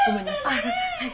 あっはい。